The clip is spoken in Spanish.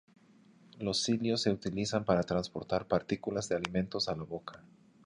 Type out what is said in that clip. Estos cilios se utilizan para transportar partículas de alimentos a la boca.